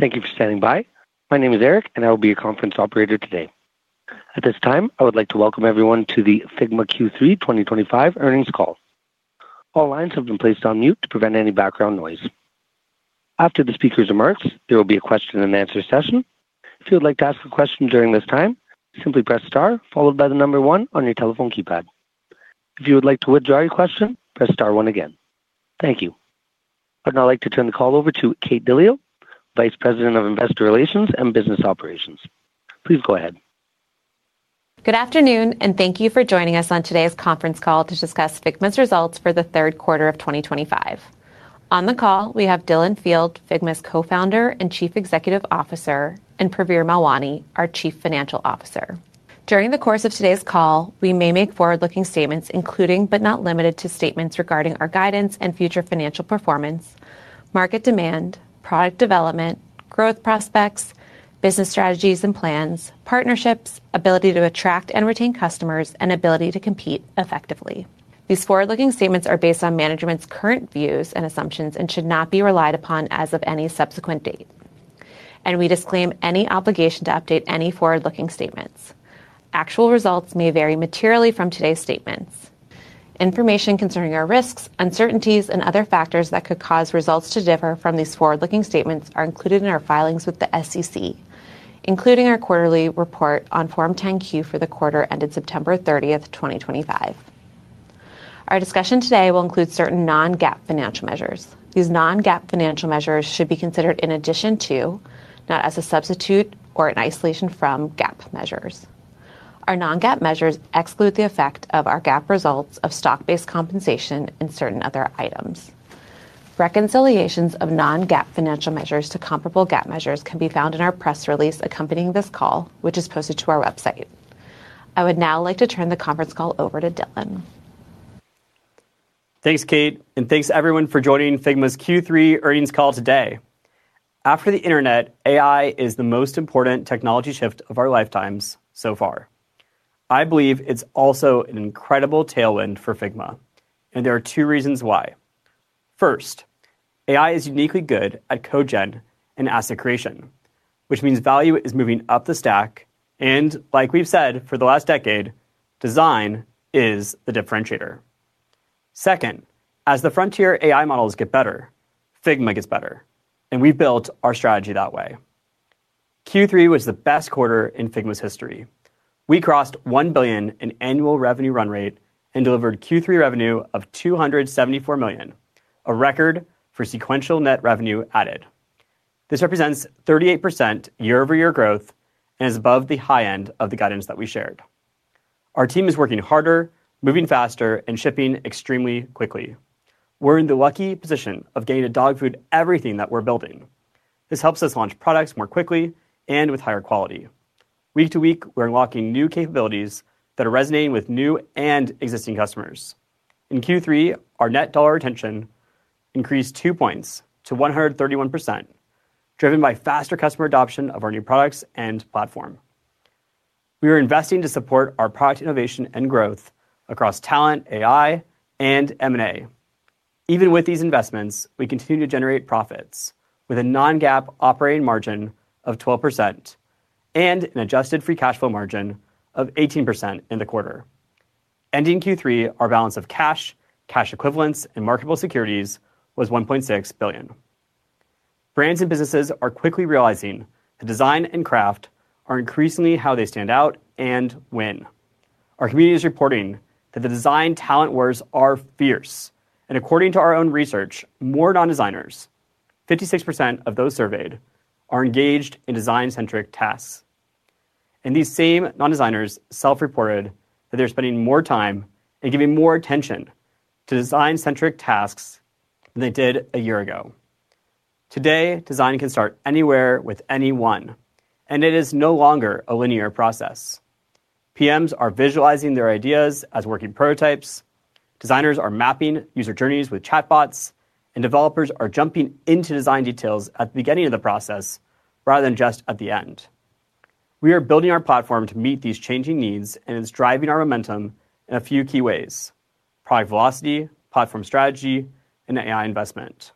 Thank you for standing by. My name is Eric, and I will be your conference operator today. At this time, I would like to welcome everyone to the Figma Q3 2025 earnings call. All lines have been placed on mute to prevent any background noise. After the speaker's remarks, there will be a question-and-answer session. If you would like to ask a question during this time, simply press star followed by the number one on your telephone keypad. If you would like to withdraw your question, press star one again. Thank you. I'd now like to turn the call over to Kate DeLeo, Vice President of Investor Relations and Business Operations. Please go ahead. Good afternoon, and thank you for joining us on today's conference call to discuss Figma's results for the third quarter of 2025. On the call, we have Dylan Field, Figma's Co-founder and Chief Executive Officer, and Praveer Melwani, our Chief Financial Officer. During the course of today's call, we may make forward-looking statements including, but not limited to, statements regarding our guidance and future financial performance, market demand, product development, growth prospects, business strategies and plans, partnerships, ability to attract and retain customers, and ability to compete effectively. These forward-looking statements are based on management's current views and assumptions and should not be relied upon as of any subsequent date. We disclaim any obligation to update any forward-looking statements. Actual results may vary materially from today's statements. Information concerning our risks, uncertainties, and other factors that could cause results to differ from these forward-looking statements are included in our filings with the SEC, including our quarterly report on Form 10Q for the quarter ended September 30th, 2025. Our discussion today will include certain non-GAAP financial measures. These non-GAAP financial measures should be considered in addition to, not as a substitute or in isolation from GAAP measures. Our non-GAAP measures exclude the effect of our GAAP results of stock-based compensation and certain other items. Reconciliations of non-GAAP financial measures to comparable GAAP measures can be found in our press release accompanying this call, which is posted to our website. I would now like to turn the conference call over to Dylan. Thanks, Kate, and thanks everyone for joining Figma's Q3 earnings call today. After the internet, AI is the most important technology shift of our lifetimes so far. I believe it's also an incredible tailwind for Figma, and there are two reasons why. First, AI is uniquely good at cogent and asset creation, which means value is moving up the stack. Like we've said for the last decade, design is the differentiator. Second, as the frontier AI models get better, Figma gets better, and we've built our strategy that way. Q3 was the best quarter in Figma's history. We crossed $1 billion in annual revenue run rate and delivered Q3 revenue of $274 million, a record for sequential net revenue added. This represents 38% year-over-year growth and is above the high end of the guidance that we shared. Our team is working harder, moving faster, and shipping extremely quickly. We're in the lucky position of getting to dogfood everything that we're building. This helps us launch products more quickly and with higher quality. Week to week, we're unlocking new capabilities that are resonating with new and existing customers. In Q3, our net dollar retention increased 2 points to 131%, driven by faster customer adoption of our new products and platform. We are investing to support our product innovation and growth across talent, AI, and M&A. Even with these investments, we continue to generate profits with a non-GAAP operating margin of 12%. An adjusted free cash flow margin of 18% in the quarter. Ending Q3, our balance of cash, cash equivalents, and marketable securities was $1.6 billion. Brands and businesses are quickly realizing that design and craft are increasingly how they stand out and win. Our community is reporting that the design talent wars are fierce. According to our own research, more non-designers, 56% of those surveyed, are engaged in design-centric tasks. These same non-designers self-reported that they're spending more time and giving more attention to design-centric tasks than they did a year ago. Today, design can start anywhere with anyone, and it is no longer a linear process. PMs are visualizing their ideas as working prototypes. Designers are mapping user journeys with chatbots, and developers are jumping into design details at the beginning of the process rather than just at the end. We are building our platform to meet these changing needs, and it's driving our momentum in a few key ways: product velocity, platform strategy, and AI investment.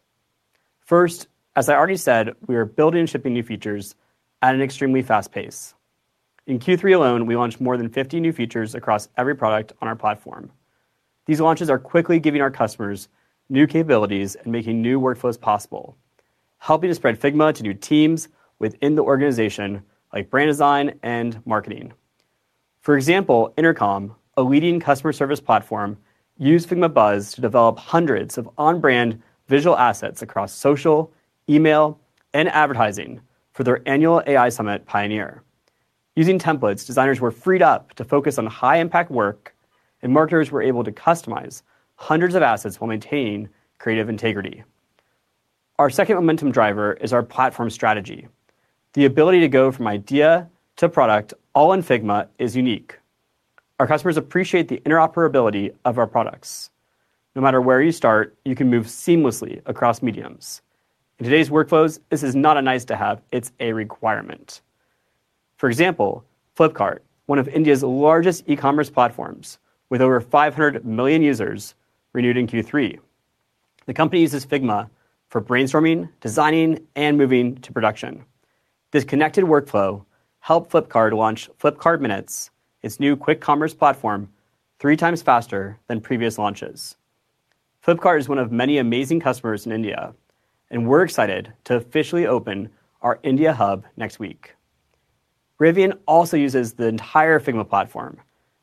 First, as I already said, we are building and shipping new features at an extremely fast pace. In Q3 alone, we launched more than 50 new features across every product on our platform. These launches are quickly giving our customers new capabilities and making new workflows possible, helping to spread Figma to new teams within the organization, like brand design and marketing. For example, Intercom, a leading customer service platform, used Figma Buzz to develop hundreds of on-brand visual assets across social, email, and advertising for their annual AI Summit Pioneer. Using templates, designers were freed up to focus on high-impact work, and marketers were able to customize hundreds of assets while maintaining creative integrity. Our second momentum driver is our platform strategy. The ability to go from idea to product, all in Figma, is unique. Our customers appreciate the interoperability of our products. No matter where you start, you can move seamlessly across mediums. In today's workflows, this is not a nice-to-have; it's a requirement. For example, Flipkart, one of India's largest e-commerce platforms, with over 500 million users renewed in Q3. The company uses Figma for brainstorming, designing, and moving to production. This connected workflow helped Flipkart launch Flipkart Minutes, its new quick commerce platform, 3x faster than previous launches. Flipkart is one of many amazing customers in India, and we're excited to officially open our India hub next week. Rivian also uses the entire Figma platform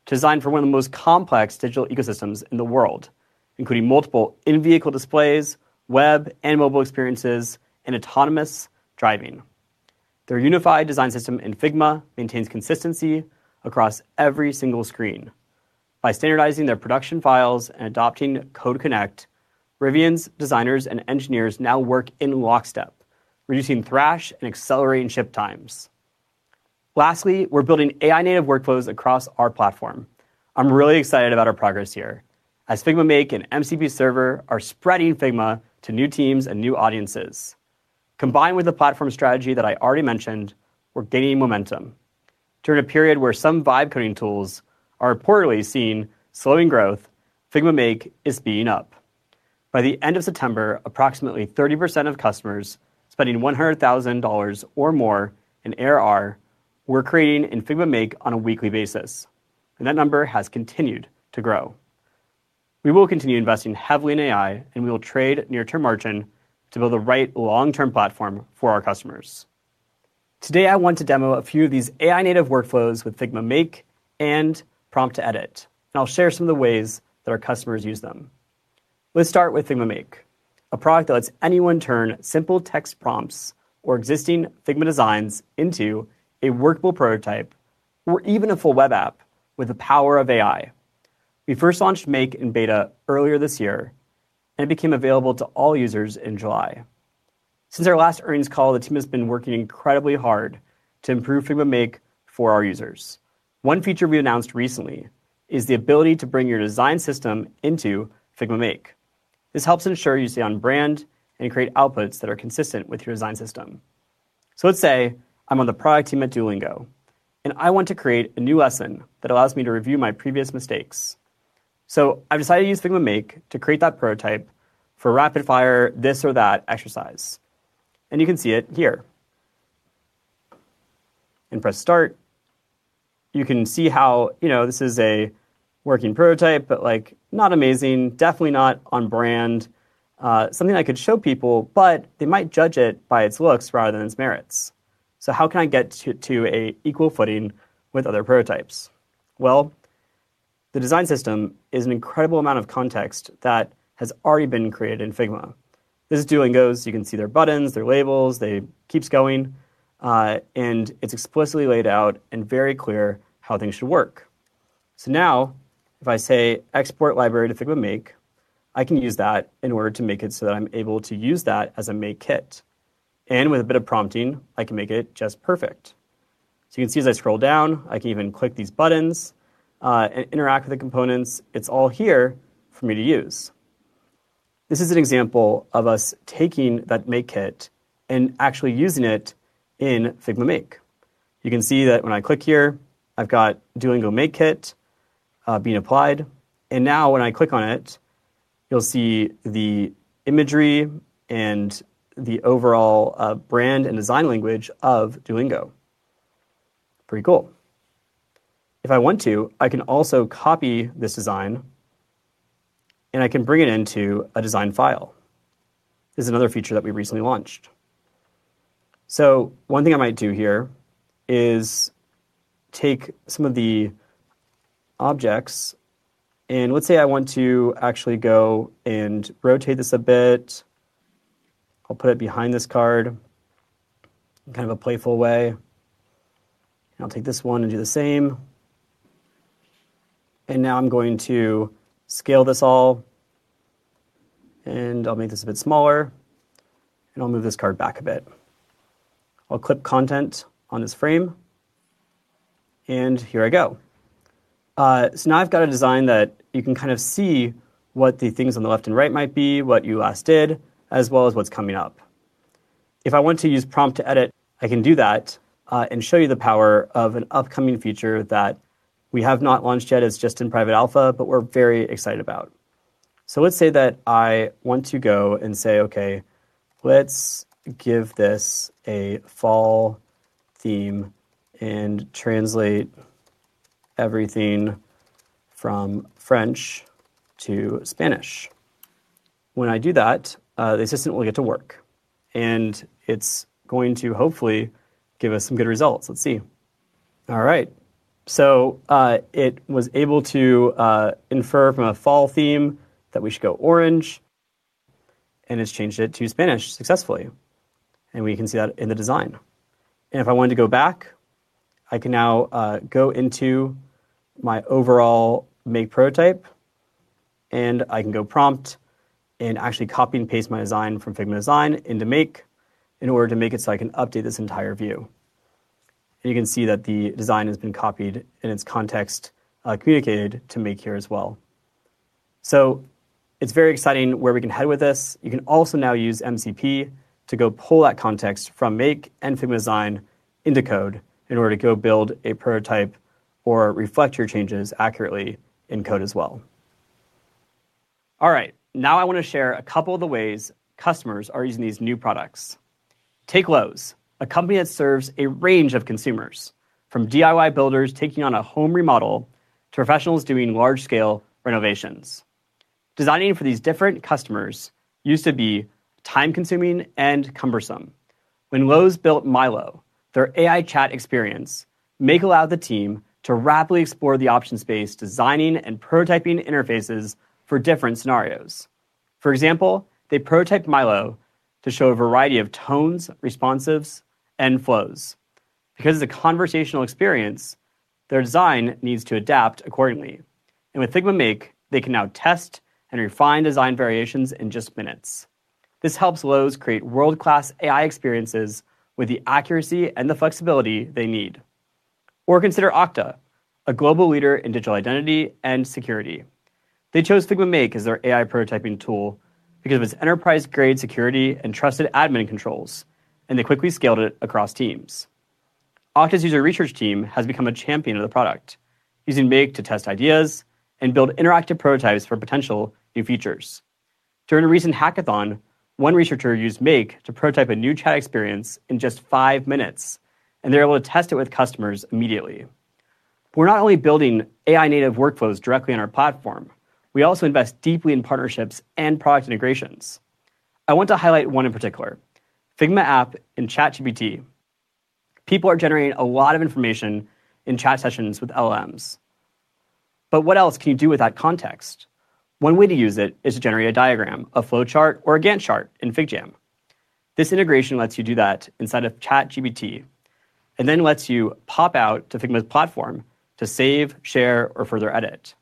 to design for one of the most complex digital ecosystems in the world, including multiple in-vehicle displays, web and mobile experiences, and autonomous driving. Their unified design system in Figma maintains consistency across every single screen. By standardizing their production files and adopting Code Connect, Rivian's designers and engineers now work in lockstep, reducing thrash and accelerating ship times. Lastly, we're building AI-native workflows across our platform. I'm really excited about our progress here, as Figma Make and MCP server are spreading Figma to new teams and new audiences. Combined with the platform strategy that I already mentioned, we're gaining momentum. During a period where some vibe coding tools are reportedly seeing slowing growth, Figma Make is speeding up. By the end of September, approximately 30% of customers spending $100,000 or more in ARR were creating in Figma Make on a weekly basis, and that number has continued to grow. We will continue investing heavily in AI, and we will trade near-term margin to build the right long-term platform for our customers. Today, I want to demo a few of these AI-native workflows with Figma Make and Prompt to Edit, and I'll share some of the ways that our customers use them. Let's start with Figma Make, a product that lets anyone turn simple text prompts or existing Figma Designs into a workable prototype or even a full web app with the power of AI. We first launched Make in beta earlier this year, and it became available to all users in July. Since our last earnings call, the team has been working incredibly hard to improve Figma Make for our users. One feature we announced recently is the ability to bring your design system into Figma Make. This helps ensure you stay on brand and create outputs that are consistent with your design system. Let's say I'm on the product team at Duolingo, and I want to create a new lesson that allows me to review my previous mistakes. I've decided to use Figma Make to create that prototype for rapid-fire this-or-that exercise. You can see it here. Press start. You can see how this is a working prototype, but not amazing, definitely not on brand. Something I could show people, but they might judge it by its looks rather than its merits. How can I get to an equal footing with other prototypes? The design system is an incredible amount of context that has already been created in Figma. This is Duolingo's. You can see their buttons, their labels. It keeps going. It is explicitly laid out and very clear how things should work. If I say, "Export library to Figma Make," I can use that in order to make it so that I am able to use that as a Make kit. With a bit of prompting, I can make it just perfect. You can see as I scroll down, I can even click these buttons and interact with the components. It is all here for me to use. This is an example of us taking that Make kit and actually using it in Figma Make. You can see that when I click here, I've got Duolingo Make kit being applied. And now when I click on it, you'll see the imagery and the overall brand and design language of Duolingo. Pretty cool. If I want to, I can also copy this design. I can bring it into a design file. This is another feature that we recently launched. One thing I might do here is take some of the objects, and let's say I want to actually go and rotate this a bit. I'll put it behind this card in kind of a playful way. I'll take this one and do the same. Now I'm going to scale this all, and I'll make this a bit smaller. I'll move this card back a bit. I'll clip content on this frame. Here I go. Now I've got a design that you can kind of see what the things on the left and right might be, what you last did, as well as what's coming up. If I want to use Prompt to Edit, I can do that and show you the power of an upcoming feature that we have not launched yet. It's just in private alpha, but we're very excited about it. Let's say that I want to go and say, "OK, let's give this a fall theme and translate everything from French to Spanish." When I do that, the assistant will get to work, and it's going to hopefully give us some good results. Let's see. All right. It was able to infer from a fall theme that we should go orange, and it's changed it to Spanish successfully. We can see that in the design. If I wanted to go back, I can now go into my overall Make prototype, and I can go prompt and actually copy and paste my design from Figma Design into Make in order to make it so I can update this entire view. You can see that the design has been copied and its context communicated to Make here as well. It is very exciting where we can head with this. You can also now use MCP to go pull that context from Make and Figma Design into code in order to go build a prototype or reflect your changes accurately in code as well. All right. I want to share a couple of the ways customers are using these new products. Take Lowe's, a company that serves a range of consumers, from DIY builders taking on a home remodel to professionals doing large-scale renovations. Designing for these different customers used to be time-consuming and cumbersome. When Lowe's built Mylow, their AI chat experience made it allow the team to rapidly explore the options space, designing and prototyping interfaces for different scenarios. For example, they prototyped Mylow to show a variety of tones, responsives, and flows. Because it is a conversational experience, their design needs to adapt accordingly. With Figma Make, they can now test and refine design variations in just minutes. This helps Lowe's create world-class AI experiences with the accuracy and the flexibility they need. Consider Okta, a global leader in digital identity and security. They chose Figma Make as their AI prototyping tool because of its enterprise-grade security and trusted admin controls, and they quickly scaled it across teams. Okta's user research team has become a champion of the product, using Make to test ideas and build interactive prototypes for potential new features. During a recent hackathon, one researcher used Make to prototype a new chat experience in just five minutes, and they were able to test it with customers immediately. We're not only building AI-native workflows directly on our platform, we also invest deeply in partnerships and product integrations. I want to highlight one in particular: Figma app and ChatGPT. People are generating a lot of information in chat sessions with LLMs. What else can you do without context? One way to use it is to generate a diagram, a flow chart, or a Gantt chart in FigJam. This integration lets you do that inside of ChatGPT and then lets you pop out to Figma's platform to save, share, or further edit.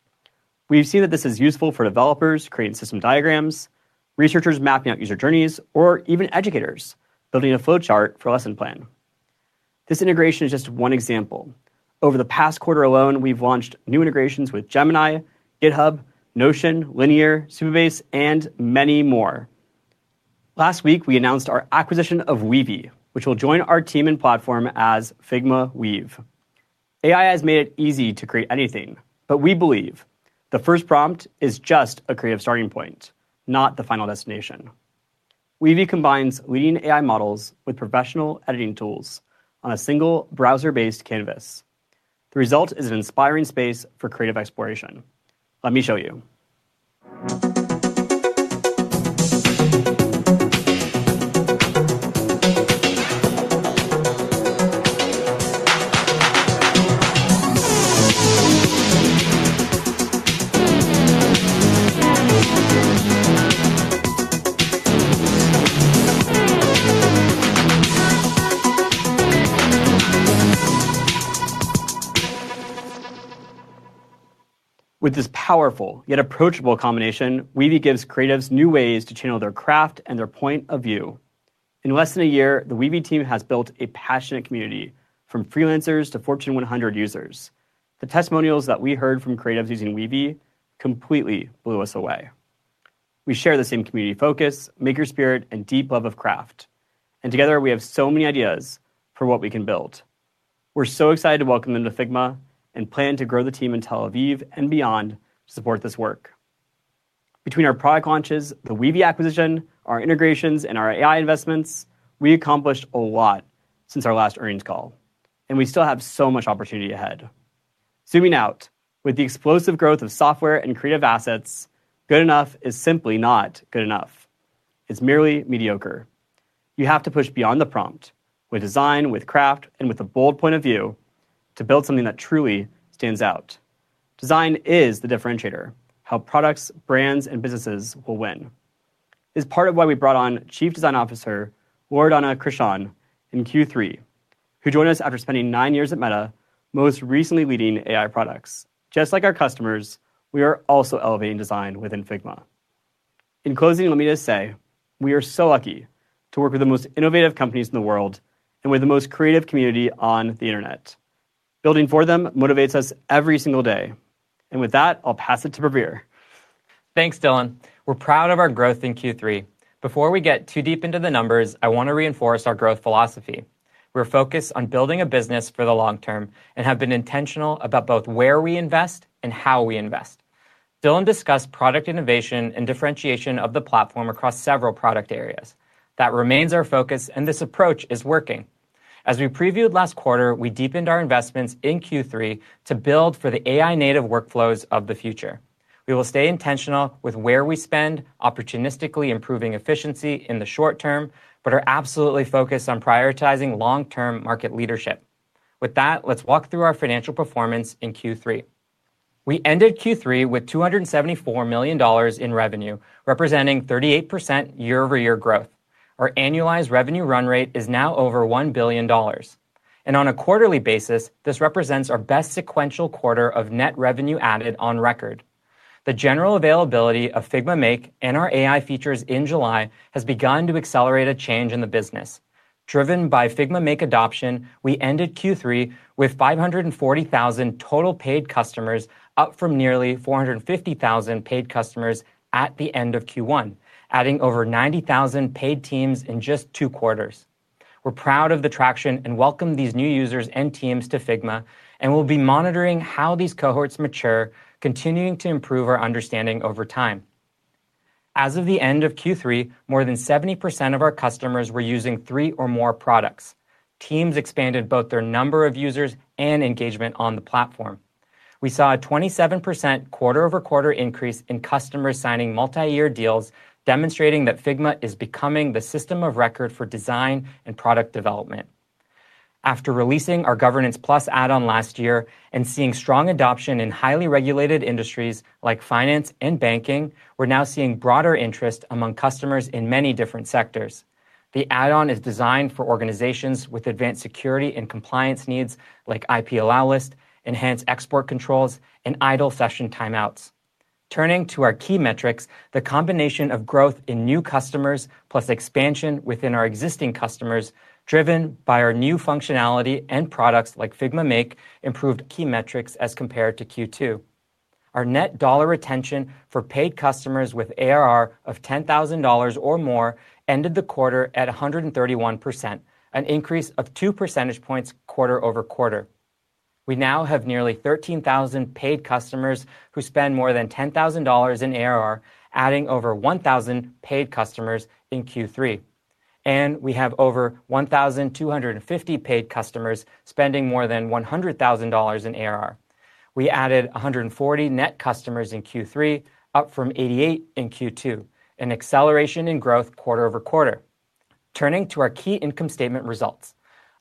We've seen that this is useful for developers creating system diagrams, researchers mapping out user journeys, or even educators building a flow chart for a lesson plan. This integration is just one example. Over the past quarter alone, we've launched new integrations with Gemini, GitHub, Notion, Linear, Supabase, and many more. Last week, we announced our acquisition of Weavy, which will join our team and platform as Figma Weave. AI has made it easy to create anything, but we believe the first prompt is just a creative starting point, not the final destination. Weavy combines leading AI models with professional editing tools on a single browser-based canvas. The result is an inspiring space for creative exploration. Let me show you. With this powerful yet approachable combination, Weavy gives creatives new ways to channel their craft and their point of view. In less than a year, the Weavy team has built a passionate community, from freelancers to Fortune 100 users. The testimonials that we heard from creatives using Weavy completely blew us away. We share the same community focus, maker spirit, and deep love of craft. Together, we have so many ideas for what we can build. We're so excited to welcome them to Figma and plan to grow the team in Tel Aviv and beyond to support this work. Between our product launches, the Weavy acquisition, our integrations, and our AI investments, we accomplished a lot since our last earnings call. We still have so much opportunity ahead. Zooming out, with the explosive growth of software and creative assets, good enough is simply not good enough. It's merely mediocre. You have to push beyond the prompt with design, with craft, and with a bold point of view to build something that truly stands out. Design is the differentiator, how products, brands, and businesses will win. It is part of why we brought on Chief Design Officer Loredana Crisan in Q3, who joined us after spending nine years at Meta, most recently leading AI products. Just like our customers, we are also elevating design within Figma. In closing, let me just say, we are so lucky to work with the most innovative companies in the world and with the most creative community on the internet. Building for them motivates us every single day. With that, I will pass it to Praveer. Thanks, Dylan. We are proud of our growth in Q3. Before we get too deep into the numbers, I want to reinforce our growth philosophy. We're focused on building a business for the long term and have been intentional about both where we invest and how we invest. Dylan discussed product innovation and differentiation of the platform across several product areas. That remains our focus, and this approach is working. As we previewed last quarter, we deepened our investments in Q3 to build for the AI-native workflows of the future. We will stay intentional with where we spend, opportunistically improving efficiency in the short term, but are absolutely focused on prioritizing long-term market leadership. With that, let's walk through our financial performance in Q3. We ended Q3 with $274 million in revenue, representing 38% year-over-year growth. Our annualized revenue run rate is now over $1 billion. On a quarterly basis, this represents our best sequential quarter of net revenue added on record. The general availability of Figma Make and our AI features in July has begun to accelerate a change in the business. Driven by Figma Make adoption, we ended Q3 with 540,000 total paid customers, up from nearly 450,000 paid customers at the end of Q1, adding over 90,000 paid teams in just two quarters. We're proud of the traction and welcome these new users and teams to Figma, and we'll be monitoring how these cohorts mature, continuing to improve our understanding over time. As of the end of Q3, more than 70% of our customers were using three or more products. Teams expanded both their number of users and engagement on the platform. We saw a 27% quarter-over-quarter increase in customers signing multi-year deals, demonstrating that Figma is becoming the system of record for design and product development. After releasing our Governance+ add-on last year and seeing strong adoption in highly regulated industries like finance and banking, we're now seeing broader interest among customers in many different sectors. The add-on is designed for organizations with advanced security and compliance needs, like IP allowlist, enhanced export controls, and idle session timeouts. Turning to our key metrics, the combination of growth in new customers plus expansion within our existing customers, driven by our new functionality and products like Figma Make, improved key metrics as compared to Q2. Our net dollar retention for paid customers with ARR of $10,000 or more ended the quarter at 131%, an increase of 2 percentage points quarter-over-quarter. We now have nearly 13,000 paid customers who spend more than $10,000 in ARR, adding over 1,000 paid customers in Q3. We have over 1,250 paid customers spending more than $100,000 in ARR. We added 140 net customers in Q3, up from 88 in Q2, an acceleration in growth quarter-over-quarter. Turning to our key income statement results,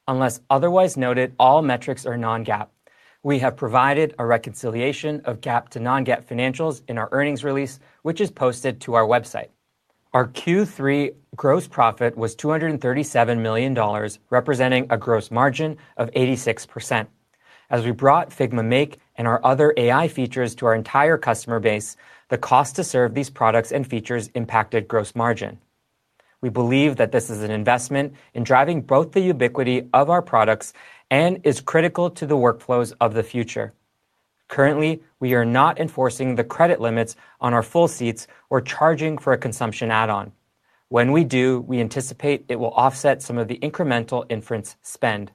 unless otherwise noted, all metrics are non-GAAP. We have provided a reconciliation of GAAP to non-GAAP financials in our earnings release, which is posted to our website. Our Q3 gross profit was $237 million, representing a gross margin of 86%. As we brought Figma Make and our other AI features to our entire customer base, the cost to serve these products and features impacted gross margin. We believe that this is an investment in driving both the ubiquity of our products and is critical to the workflows of the future. Currently, we are not enforcing the credit limits on our full seats or charging for a consumption add-on. When we do, we anticipate it will offset some of the incremental inference spend.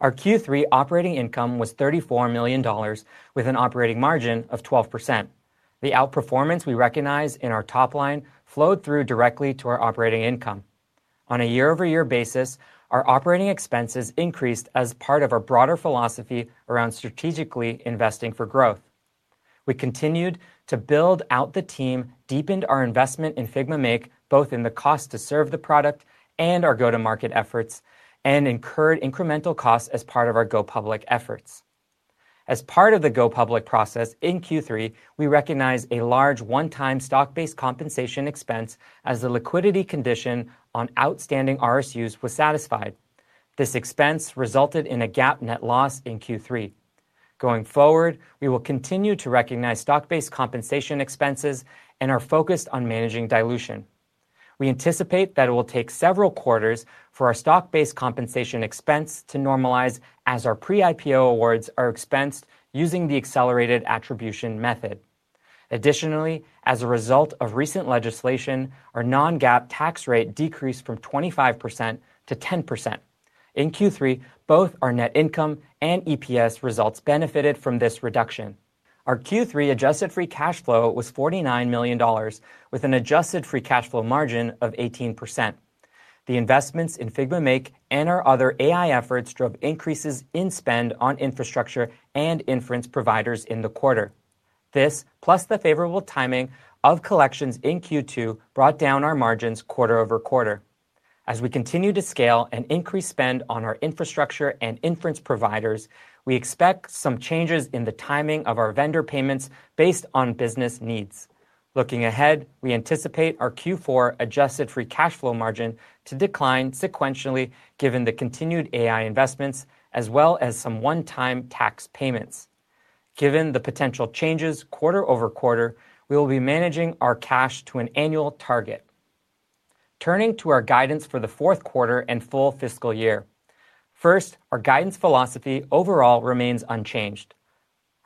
Our Q3 operating income was $34 million, with an operating margin of 12%. The outperformance we recognize in our top line flowed through directly to our operating income. On a year-over-year basis, our operating expenses increased as part of our broader philosophy around strategically investing for growth. We continued to build out the team, deepened our investment in Figma Make, both in the cost to serve the product and our go-to-market efforts, and incurred incremental costs as part of our go public efforts. As part of the go public process in Q3, we recognize a large one-time stock-based compensation expense as the liquidity condition on outstanding RSUs was satisfied. This expense resulted in a GAAP net loss in Q3. Going forward, we will continue to recognize stock-based compensation expenses and are focused on managing dilution. We anticipate that it will take several quarters for our stock-based compensation expense to normalize as our pre-IPO awards are expensed using the accelerated attribution method. Additionally, as a result of recent legislation, our non-GAAP tax rate decreased from 25% to 10%. In Q3, both our net income and EPS results benefited from this reduction. Our Q3 adjusted free cash flow was $49 million, with an adjusted free cash flow margin of 18%. The investments in Figma Make and our other AI efforts drove increases in spend on infrastructure and inference providers in the quarter. This, plus the favorable timing of collections in Q2, brought down our margins quarter-over-quarter. As we continue to scale and increase spend on our infrastructure and inference providers, we expect some changes in the timing of our vendor payments based on business needs. Looking ahead, we anticipate our Q4 adjusted free cash flow margin to decline sequentially given the continued AI investments, as well as some one-time tax payments. Given the potential changes quarter-over-quarter, we will be managing our cash to an annual target. Turning to our guidance for the fourth quarter and full fiscal year. First, our guidance philosophy overall remains unchanged.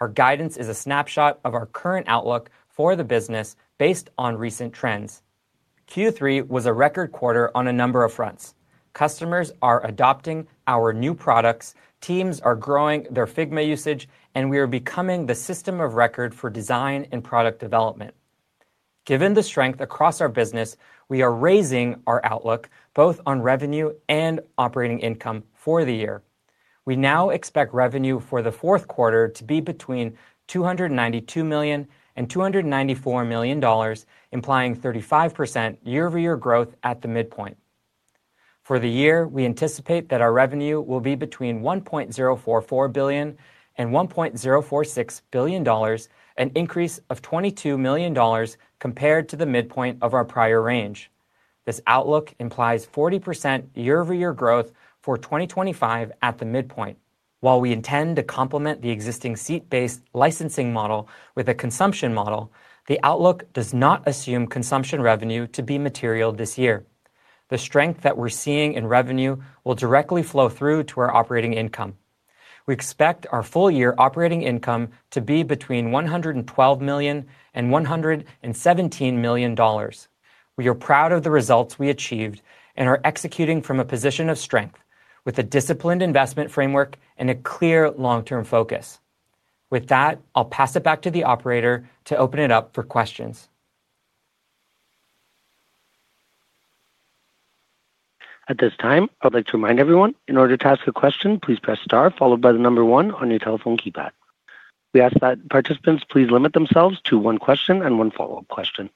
Our guidance is a snapshot of our current outlook for the business based on recent trends. Q3 was a record quarter on a number of fronts. Customers are adopting our new products, teams are growing their Figma usage, and we are becoming the system of record for design and product development. Given the strength across our business, we are raising our outlook both on revenue and operating income for the year. We now expect revenue for the fourth quarter to be between $292 million and $294 million, implying 35% year-over-year growth at the midpoint. For the year, we anticipate that our revenue will be between $1.044 billion and $1.046 billion, an increase of $22 million compared to the midpoint of our prior range. This outlook implies 40% year-over-year growth for 2025 at the midpoint. While we intend to complement the existing seat-based licensing model with a consumption model, the outlook does not assume consumption revenue to be material this year. The strength that we're seeing in revenue will directly flow through to our operating income. We expect our full-year operating income to be between $112 million and $117 million. We are proud of the results we achieved and are executing from a position of strength, with a disciplined investment framework and a clear long-term focus. With that, I'll pass it back to the operator to open it up for questions. At this time, I'd like to remind everyone, in order to ask a question, please press star followed by the number one on your telephone keypad. We ask that participants please limit themselves to one question and one follow-up question.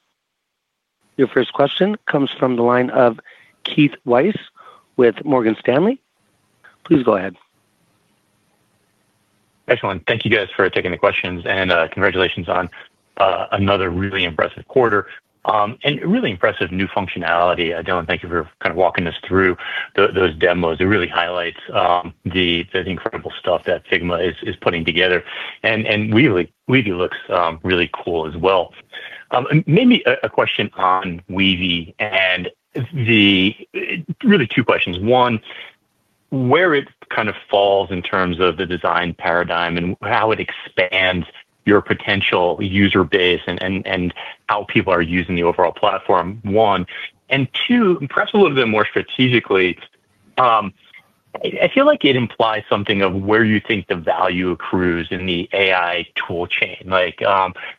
Your first question comes from the line of Keith Weiss with Morgan Stanley. Please go ahead. Excellent. Thank you, guys, for taking the questions. And congratulations on another really impressive quarter and really impressive new functionality. Dylan, thank you for kind of walking us through those demos. It really highlights the incredible stuff that Figma is putting together. And Weavy looks really cool as well. Maybe a question on Weavy and the, really two questions. One, where it kind of falls in terms of the design paradigm and how it expands your potential user base and how people are using the overall platform. One. And two, perhaps a little bit more strategically. I feel like it implies something of where you think the value accrues in the AI tool chain, like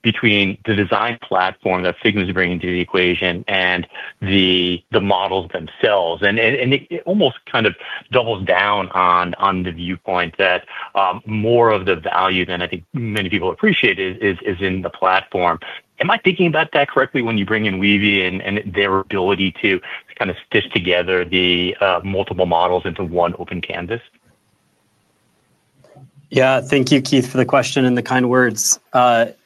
between the design platform that Figma is bringing to the equation and the models themselves. It almost kind of doubles down on the viewpoint that more of the value than, I think, many people appreciate is in the platform. Am I thinking about that correctly when you bring in Weavy and their ability to kind of stitch together the multiple models into one open canvas? Yeah. Thank you, Keith, for the question and the kind words.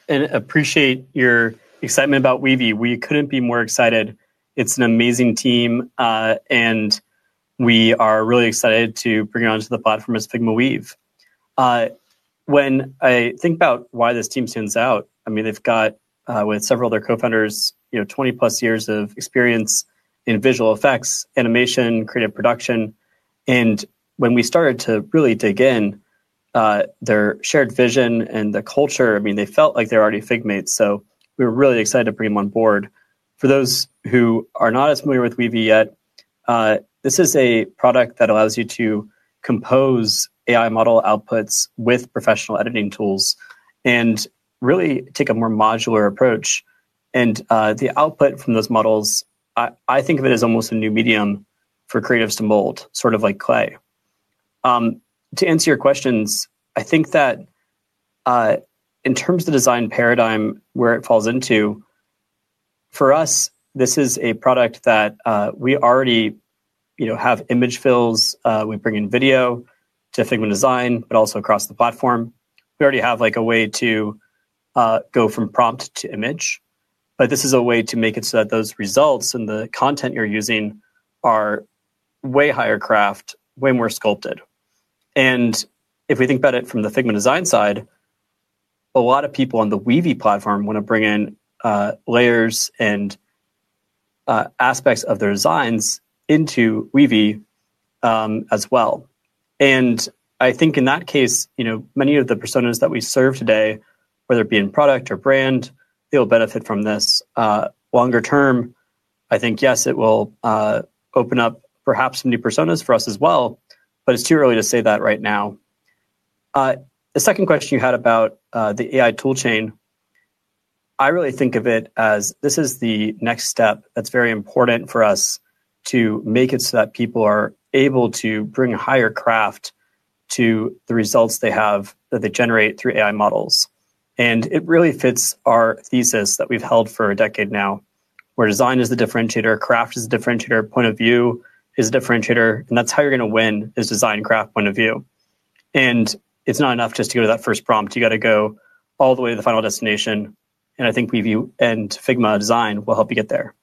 Appreciate your excitement about Weavy. We could not be more excited. It is an amazing team. We are really excited to bring you onto the platform as Figma Weave. When I think about why this team stands out, I mean, they've got, with several of their co-founders, 20+ years of experience in visual effects, animation, creative production. When we started to really dig in, their shared vision and the culture, I mean, they felt like they're already Figmates. We were really excited to bring them on board. For those who are not as familiar with Weavy yet, this is a product that allows you to compose AI model outputs with professional editing tools and really take a more modular approach. The output from those models, I think of it as almost a new medium for creatives to mold, sort of like clay. To answer your questions, I think that in terms of the design paradigm, where it falls into. For us, this is a product that we already have image fills. We bring in video to Figma Design, but also across the platform. We already have a way to go from prompt to image. This is a way to make it so that those results and the content you're using are way higher craft, way more sculpted. If we think about it from the Figma Design side, a lot of people on the Weavy platform want to bring in layers and aspects of their designs into Weavy as well. I think in that case, many of the personas that we serve today, whether it be in product or brand, they will benefit from this longer term. I think, yes, it will open up perhaps some new personas for us as well. It is too early to say that right now. The second question you had about the AI tool chain. I really think of it as this is the next step that's very important for us to make it so that people are able to bring higher craft to the results they have that they generate through AI models. It really fits our thesis that we've held for a decade now, where design is the differentiator, craft is the differentiator, point of view is the differentiator, and that's how you're going to win is design craft point of view. It's not enough just to go to that first prompt. You got to go all the way to the final destination. I think Weavy and Figma Design will help you get there.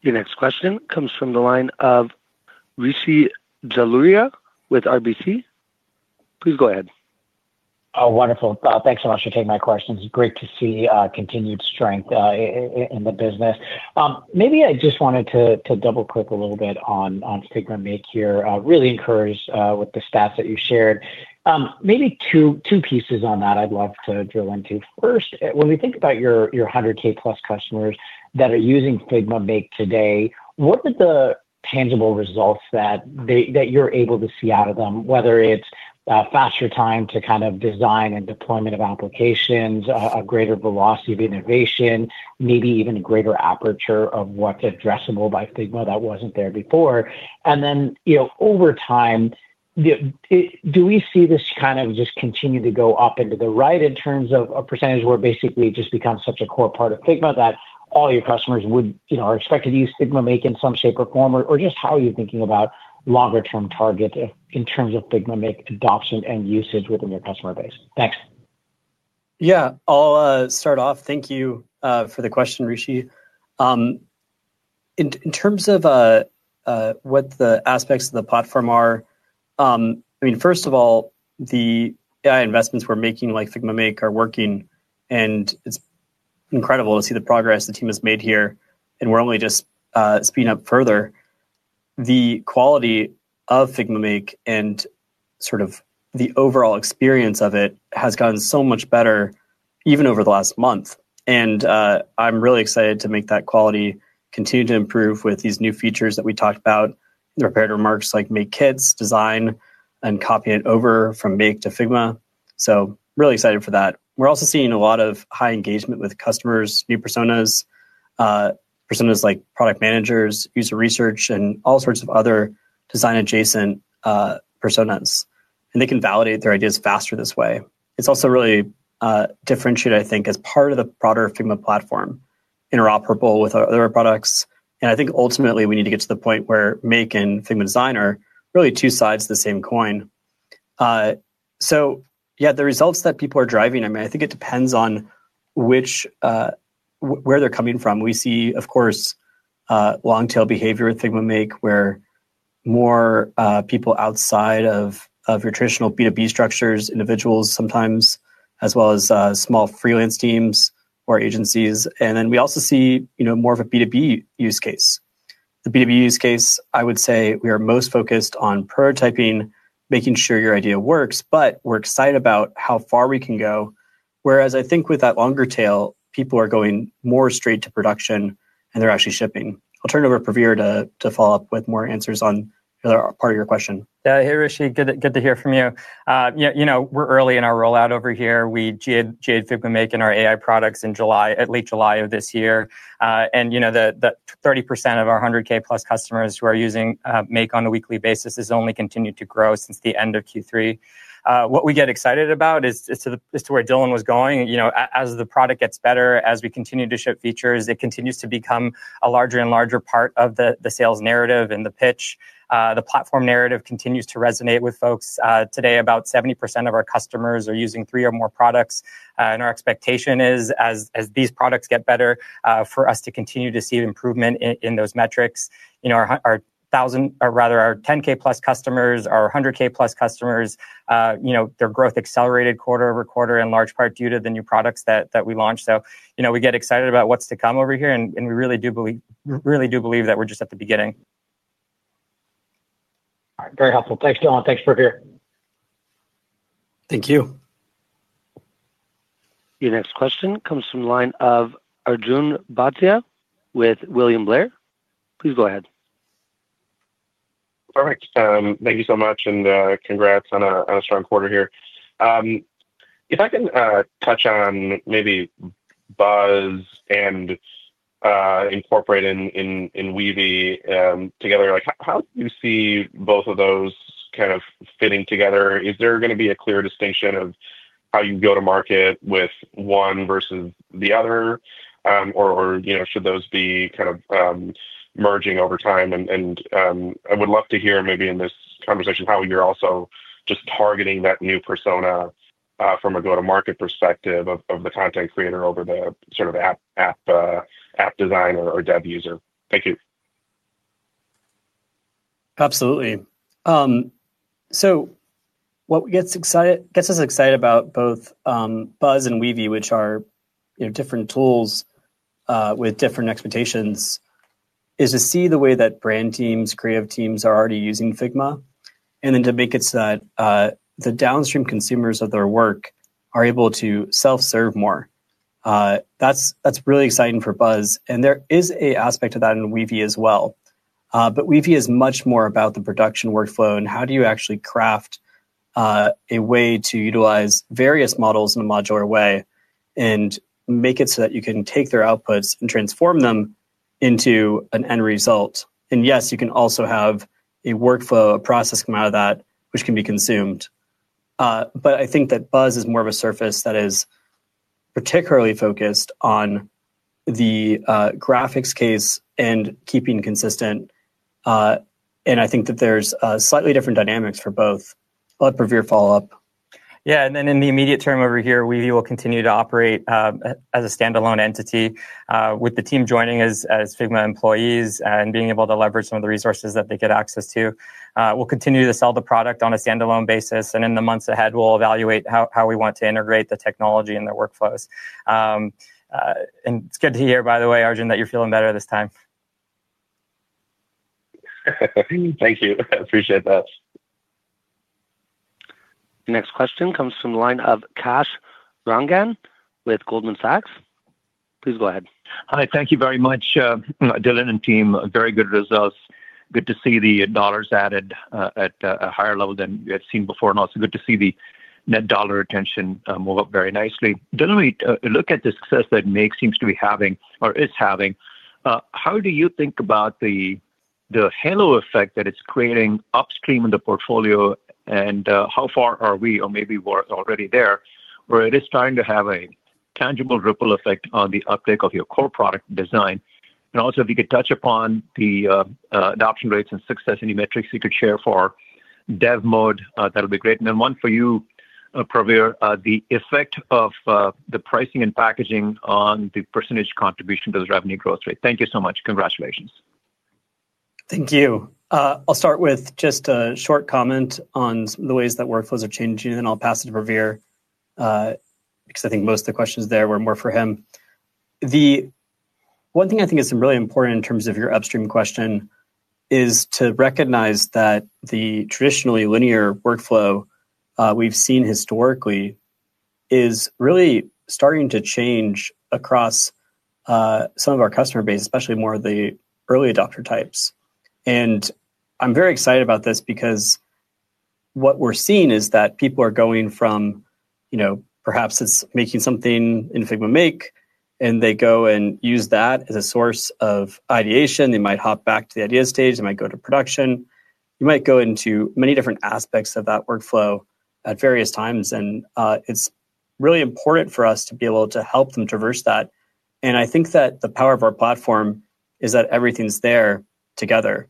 Your next question comes from the line of Rishi Jaluria with RBC. Please go ahead. Oh, wonderful. Thanks so much for taking my questions. Great to see continued strength in the business. Maybe I just wanted to double-click a little bit on Figma Make here, really encouraged with the stats that you shared. Maybe two pieces on that I'd love to drill into. First, when we think about your 100,000+ customers that are using Figma Make today, what are the tangible results that you're able to see out of them, whether it's faster time to kind of design and deployment of applications, a greater velocity of innovation, maybe even a greater aperture of what's addressable by Figma that wasn't there before? And then over time. Do we see this kind of just continue to go up and to the right in terms of a percentage where basically it just becomes such a core part of Figma that all your customers are expected to use Figma Make in some shape or form, or just how are you thinking about longer-term target in terms of Figma Make adoption and usage within your customer base? Thanks. Yeah. I'll start off. Thank you for the question, Rishi. In terms of what the aspects of the platform are, I mean, first of all, the AI investments we're making like Figma Make are working. And it's incredible to see the progress the team has made here. And we're only just speeding up further. The quality of Figma Make and sort of the overall experience of it has gotten so much better even over the last month. I'm really excited to make that quality continue to improve with these new features that we talked about, the prepared remarks like Make kits, design, and copying it over from Make to Figma. Really excited for that. We're also seeing a lot of high engagement with customers, new personas. Personas like product managers, user research, and all sorts of other design-adjacent personas. They can validate their ideas faster this way. It's also really differentiated, I think, as part of the broader Figma platform, interoperable with other products. I think ultimately we need to get to the point where Make and Figma Design are really two sides of the same coin. The results that people are driving, I mean, I think it depends on where they're coming from. We see, of course, long-tail behavior with Figma Make, where. More people outside of your traditional B2B structures, individuals sometimes, as well as small freelance teams or agencies. We also see more of a B2B use case. The B2B use case, I would say we are most focused on prototyping, making sure your idea works, but we're excited about how far we can go. Whereas I think with that longer tail, people are going more straight to production and they're actually shipping. I'll turn it over to Praveer to follow up with more answers on part of your question. Yeah. Hey, Rishi. Good to hear from you. We're early in our rollout over here. We GA'ed Figma Make and our AI products in July, at late July of this year. Thirty percent of our 100,000+ customers who are using Make on a weekly basis has only continued to grow since the end of Q3. What we get excited about is to where Dylan was going. As the product gets better, as we continue to ship features, it continues to become a larger and larger part of the sales narrative and the pitch. The platform narrative continues to resonate with folks. Today, about 70% of our customers are using three or more products. Our expectation is, as these products get better, for us to continue to see improvement in those metrics. Our 1,000, or rather our 10,000+ customers, our 100,000+ customers, their growth accelerated quarter-over-quarter, in large part due to the new products that we launched. We get excited about what's to come over here. We really do believe that we're just at the beginning. All right. Very helpful. Thanks, Dylan. Thanks, Praveer. Thank you. Your next question comes from the line of Arjun Bhatia with William Blair. Please go ahead. Perfect. Thank you so much. And congrats on a strong quarter here. If I can touch on maybe Buzz and incorporate in Weavy together, how do you see both of those kind of fitting together? Is there going to be a clear distinction of how you go to market with one versus the other? Or should those be kind of merging over time? I would love to hear maybe in this conversation how you're also just targeting that new persona from a go-to-market perspective of the content creator over the sort of app designer or dev user. Thank you. Absolutely. What gets us excited about both Buzz and Weavy, which are different tools with different expectations. Is to see the way that brand teams, creative teams are already using Figma, and then to make it so that the downstream consumers of their work are able to self-serve more. That is really exciting for Buzz. There is an aspect of that in Weavy as well. Weavy is much more about the production workflow and how do you actually craft a way to utilize various models in a modular way and make it so that you can take their outputs and transform them into an end result. Yes, you can also have a workflow, a process come out of that, which can be consumed. I think that Buzz is more of a surface that is particularly focused on the graphics case and keeping consistent. I think that there are slightly different dynamics for both. I'll let Praveer follow up. Yeah. In the immediate term over here, Weavy will continue to operate as a standalone entity with the team joining as Figma employees and being able to leverage some of the resources that they get access to. We will continue to sell the product on a standalone basis. In the months ahead, we will evaluate how we want to integrate the technology and the workflows. It is good to hear, by the way, Arjun, that you are feeling better this time. Thank you. I appreciate that. Your next question comes from the line of Kash Rangan with Goldman Sachs. Please go ahead. Hi. Thank you very much. Dylan and team, very good results. Good to see the dollars added at a higher level than we have seen before. Also good to see the net dollar retention move up very nicely. Dylan, when we look at the success that Make seems to be having or is having, how do you think about the halo effect that it's creating upstream in the portfolio? How far are we, or maybe we're already there, where it is starting to have a tangible ripple effect on the uptake of your core product design? Also, if you could touch upon the adoption rates and success and any metrics you could share for Dev Mode, that would be great. One for you, Praveer, the effect of the pricing and packaging on the percentage contribution to the revenue growth rate. Thank you so much. Congratulations. Thank you. I'll start with just a short comment on the ways that workflows are changing. Then I'll pass it to Praveer because I think most of the questions there were more for him. One thing I think is really important in terms of your upstream question is to recognize that the traditionally linear workflow we've seen historically is really starting to change across some of our customer base, especially more of the early adopter types. I'm very excited about this because what we're seeing is that people are going from, perhaps it's making something in Figma Make, and they go and use that as a source of ideation. They might hop back to the idea stage. They might go to production. You might go into many different aspects of that workflow at various times. It's really important for us to be able to help them traverse that. I think that the power of our platform is that everything's there together.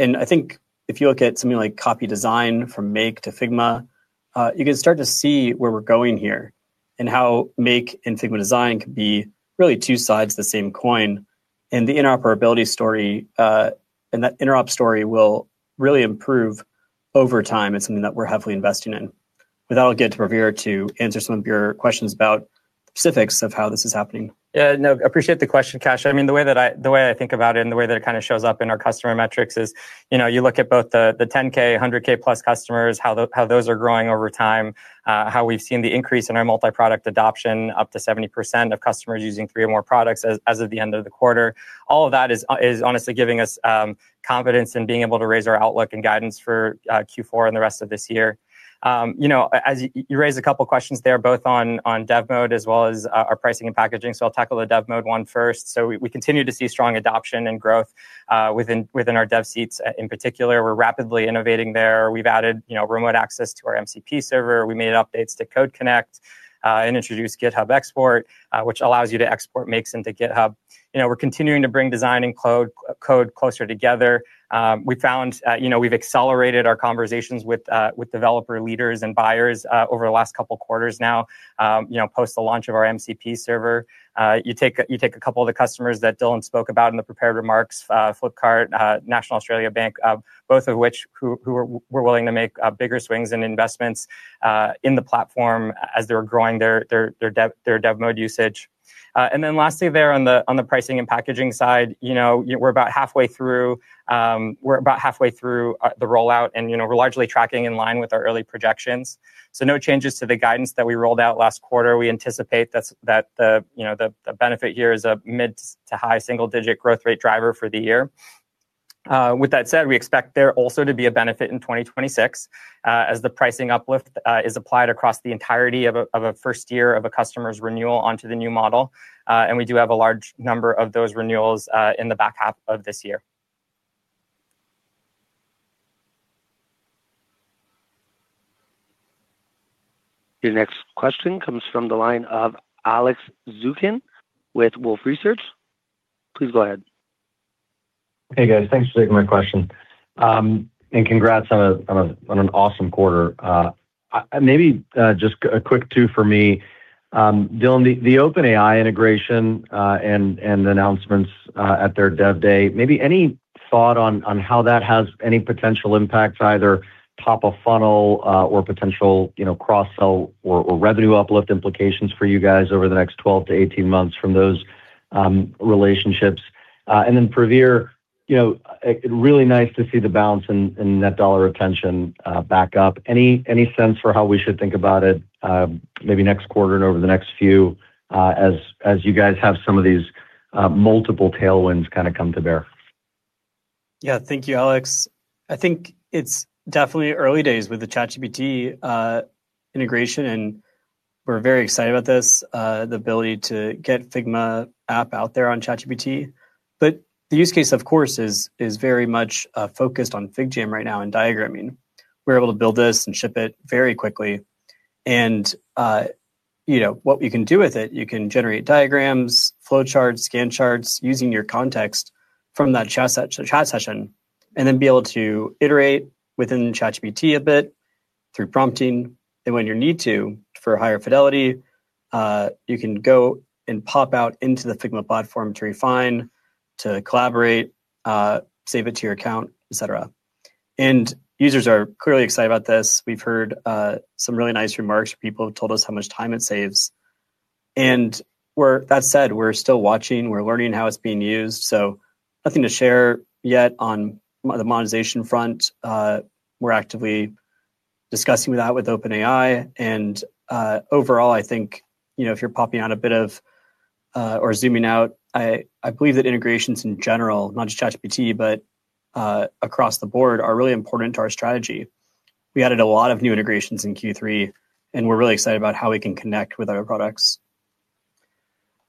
I think if you look at something like copy design from Make to Figma, you can start to see where we're going here and how Make and Figma Design can be really two sides of the same coin. The interoperability story, and that interop story will really improve over time, is something that we're heavily investing in. With that, I'll get to Praveer to answer some of your questions about the specifics of how this is happening. Yeah. No, I appreciate the question, Kash. I mean, the way I think about it and the way that it kind of shows up in our customer metrics is you look at both the 10,000, 100,000+ customers, how those are growing over time, how we've seen the increase in our multi-product adoption, up to 70% of customers using three or more products as of the end of the quarter. All of that is honestly giving us confidence in being able to raise our outlook and guidance for Q4 and the rest of this year. As you raised a couple of questions there, both on dev mode as well as our pricing and packaging. I'll tackle the dev mode one first. We continue to see strong adoption and growth within our dev seats in particular. We're rapidly innovating there. We've added remote access to our MCP server. We made updates to Code Connect and introduced GitHub export, which allows you to export Makes into GitHub. We're continuing to bring design and code closer together. We've accelerated our conversations with developer leaders and buyers over the last couple of quarters now. Post the launch of our MCP server, you take a couple of the customers that Dylan spoke about in the prepared remarks, Flipkart, National Australia Bank, both of which were willing to make bigger swings in investments in the platform as they were growing their Dev Mode usage. Lastly, there on the pricing and packaging side, we're about halfway through. We're about halfway through the rollout, and we're largely tracking in line with our early projections. No changes to the guidance that we rolled out last quarter. We anticipate that. The benefit here is a mid to high single-digit growth rate driver for the year. With that said, we expect there also to be a benefit in 2026 as the pricing uplift is applied across the entirety of a first year of a customer's renewal onto the new model. We do have a large number of those renewals in the back half of this year. Your next question comes from the line of Alex Zukin with Wolfe Research. Please go ahead. Hey, guys. Thanks for taking my question. Congrats on an awesome quarter. Maybe just a quick two for me. Dylan, the OpenAI integration and the announcements at their dev day, maybe any thought on how that has any potential impacts, either top of funnel or potential cross-sell or revenue uplift implications for you guys over the next 12-18 months from those relationships? And then, Praveer, really nice to see the bounce in net dollar retention back up. Any sense for how we should think about it, maybe next quarter and over the next few, as you guys have some of these multiple tailwinds kind of come to bear? Yeah. Thank you, Alex. I think it's definitely early days with the ChatGPT integration, and we're very excited about this, the ability to get Figma app out there on ChatGPT. The use case, of course, is very much focused on FigJam right now and diagramming. We're able to build this and ship it very quickly. What you can do with it, you can generate diagrams, flow charts, scan charts using your context from that chat session, and then be able to iterate within ChatGPT a bit through prompting. When you need to, for higher fidelity, you can go and pop out into the Figma platform to refine, to collaborate, save it to your account, etc. Users are clearly excited about this. We've heard some really nice remarks. People have told us how much time it saves. That said, we're still watching. We're learning how it's being used. Nothing to share yet on the monetization front. We're actively discussing that with OpenAI. Overall, I think if you're popping out a bit or zooming out, I believe that integrations in general, not just ChatGPT, but across the board, are really important to our strategy. We added a lot of new integrations in Q3, and we're really excited about how we can connect with other products.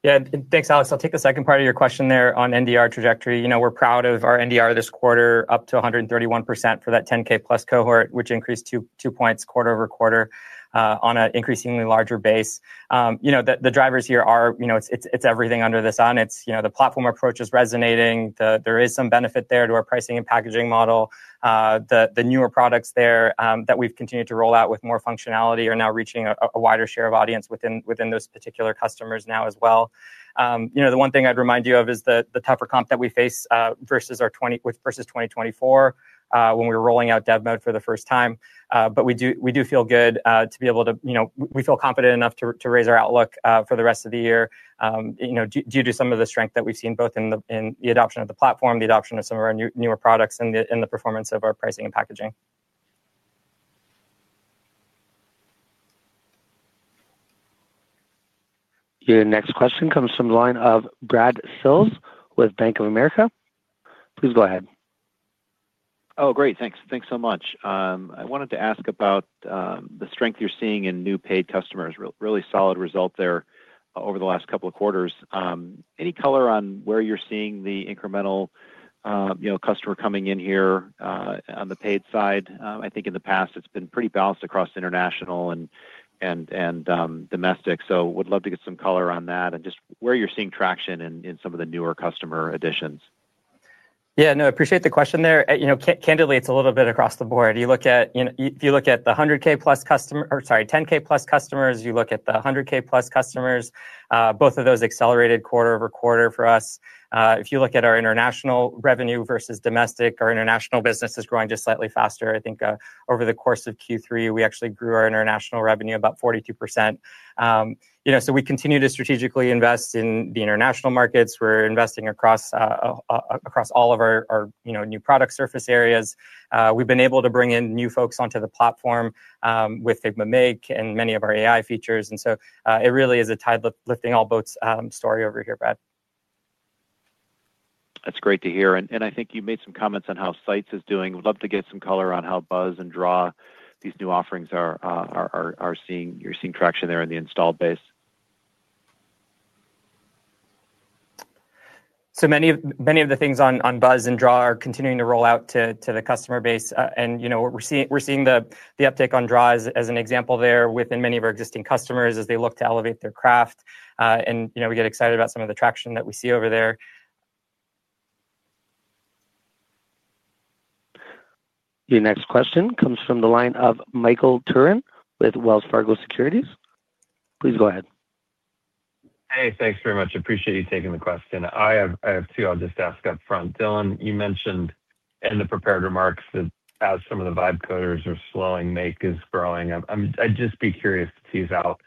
Yeah. Thanks, Alex. I'll take the second part of your question there on NDR trajectory. We're proud of our NDR this quarter, up to 131% for that 10,000+ cohort, which increased 2 points quarter-over-quarter on an increasingly larger base. The drivers here are, it's everything under the sun. The platform approach is resonating. There is some benefit there to our pricing and packaging model. The newer products there that we've continued to roll out with more functionality are now reaching a wider share of audience within those particular customers now as well. The one thing I'd remind you of is the tougher comp that we face versus 2024 when we were rolling out Dev Mode for the first time. We do feel good to be able to—we feel confident enough to raise our outlook for the rest of the year. Due to some of the strength that we've seen, both in the adoption of the platform, the adoption of some of our newer products, and the performance of our pricing and packaging. Your next question comes from the line of Brad Sills with Bank of America. Please go ahead. Oh, great. Thanks. Thanks so much. I wanted to ask about. The strength you're seeing in new paid customers. Really solid result there over the last couple of quarters. Any color on where you're seeing the incremental customer coming in here on the paid side? I think in the past, it's been pretty balanced across international and domestic. Would love to get some color on that and just where you're seeing traction in some of the newer customer additions. Yeah. No, I appreciate the question there. Candidly, it's a little bit across the board. If you look at the 100,000+ customer—sorry, 10,000+ customers, you look at the 100,000+ customers, both of those accelerated quarter-over-quarter for us. If you look at our international revenue versus domestic, our international business is growing just slightly faster. I think over the course of Q3, we actually grew our international revenue about 42%. We continue to strategically invest in the international markets. We're investing across. All of our new product surface areas. We've been able to bring in new folks onto the platform with Figma Make and many of our AI features. It really is a tide-lifting all boats story over here, Brad. That's great to hear. I think you made some comments on how Sites is doing. We'd love to get some color on how Buzz and Draw, these new offerings. You're seeing traction there in the install base. Many of the things on Buzz and Draw are continuing to roll out to the customer base. We're seeing the uptake on Draw as an example there within many of our existing customers as they look to elevate their craft. We get excited about some of the traction that we see over there. Your next question comes from the line of Michael Turrin with Wells Fargo Securities. Please go ahead. Hey, thanks very much. I appreciate you taking the question. I have two. I'll just ask upfront. Dylan, you mentioned in the prepared remarks that as some of the vibe coders are slowing, Make is growing. I'd just be curious to tease out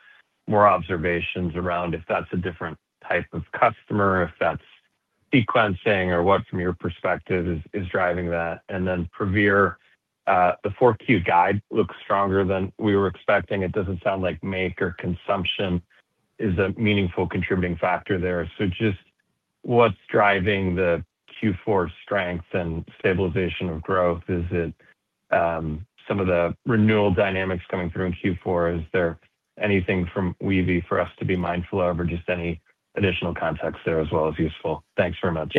more observations around if that's a different type of customer, if that's sequencing, or what from your perspective is driving that. Praveer, the 4Q guide looks stronger than we were expecting. It doesn't sound like Make or consumption is a meaningful contributing factor there. Just what's driving the Q4 strength and stabilization of growth? Is it some of the renewal dynamics coming through in Q4? Is there anything from Weavy for us to be mindful of or just any additional context there as well as useful? Thanks very much.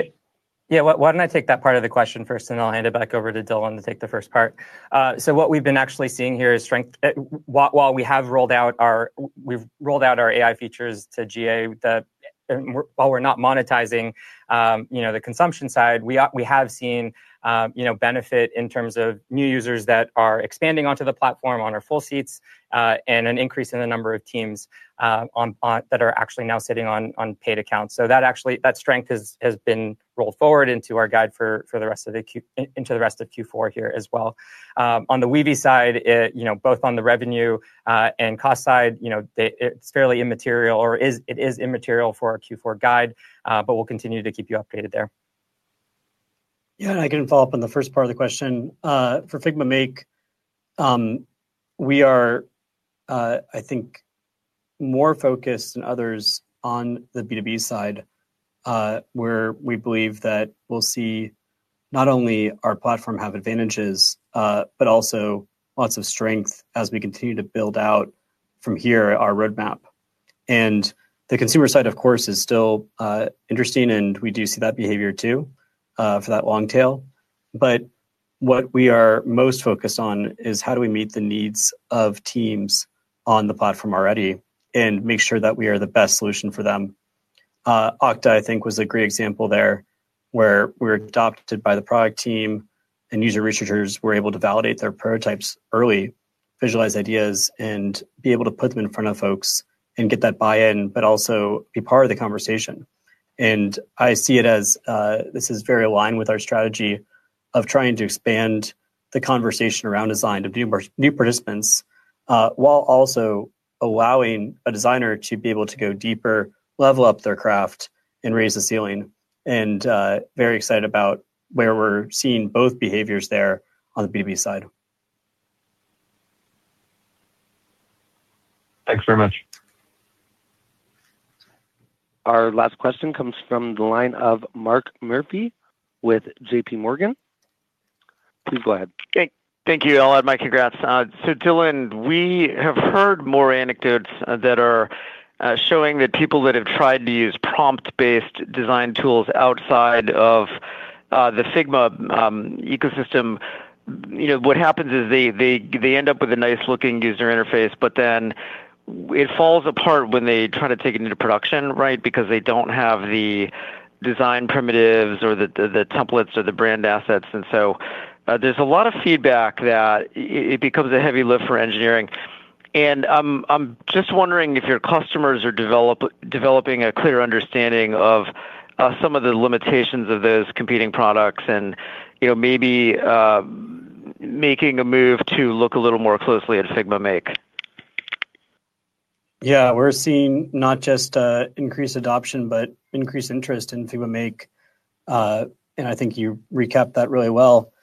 Yeah. Why don't I take that part of the question first, and I'll hand it back over to Dylan to take the first part. What we've been actually seeing here is, while we have rolled out our AI features to GA, while we're not monetizing the consumption side, we have seen benefit in terms of new users that are expanding onto the platform on our full seats and an increase in the number of teams that are actually now sitting on paid accounts. That strength has been rolled forward into our guide for the rest of the Q4 here as well. On the Weavy side, both on the revenue and cost side, it's fairly immaterial, or it is immaterial for our Q4 guide, but we'll continue to keep you updated there. Yeah. I can follow up on the first part of the question for Figma Make. We are, I think, more focused than others on the B2B side. Where we believe that we'll see not only our platform have advantages, but also lots of strength as we continue to build out from here our roadmap. The consumer side, of course, is still interesting, and we do see that behavior too for that long tail. What we are most focused on is how do we meet the needs of teams on the platform already and make sure that we are the best solution for them. Okta, I think, was a great example there where we were adopted by the product team, and user researchers were able to validate their prototypes early, visualize ideas, and be able to put them in front of folks and get that buy-in, but also be part of the conversation. I see it as this is very aligned with our strategy of trying to expand the conversation around design to new participants, while also allowing a designer to be able to go deeper, level up their craft, and raise the ceiling. I am very excited about where we're seeing both behaviors there on the B2B side. Thanks very much. Our last question comes from the line of Mark Murphy with JPMorgan. Please go ahead. Thank you. I'll add my congrats. Dylan, we have heard more anecdotes that are showing that people that have tried to use prompt-based design tools outside of the Figma ecosystem, what happens is they end up with a nice-looking user interface, but then it falls apart when they try to take it into production, right, because they do not have the design primitives or the templates or the brand assets. There is a lot of feedback that it becomes a heavy lift for engineering. I'm just wondering if your customers are developing a clear understanding of some of the limitations of those competing products and maybe making a move to look a little more closely at Figma Make. Yeah, we're seeing not just increased adoption, but increased interest in Figma Make. I think you recapped that really well.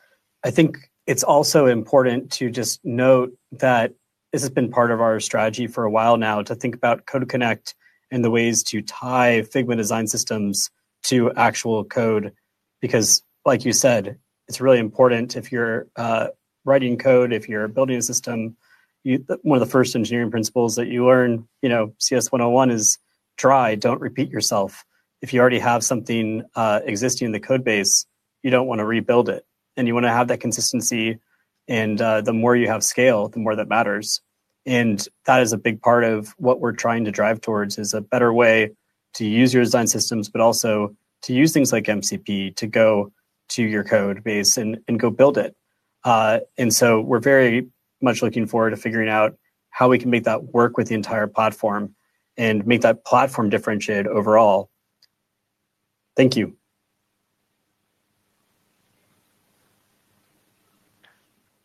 I think it's also important to just note that this has been part of our strategy for a while now to think about Code Connect and the ways to tie Figma Design systems to actual code. Because, like you said, it's really important if you're writing code, if you're building a system, one of the first engineering principles that you learn, CS 101, is try. Don't repeat yourself. If you already have something existing in the code base, you do not want to rebuild it. You want to have that consistency. The more you have scale, the more that matters. That is a big part of what we are trying to drive towards, a better way to use your design systems, but also to use things like MCP to go to your code base and go build it. We are very much looking forward to figuring out how we can make that work with the entire platform and make that platform differentiated overall. Thank you.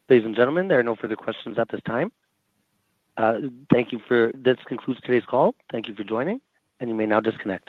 Ladies and gentlemen, there are no further questions at this time. This concludes today's call. Thank you for joining, and you may now disconnect.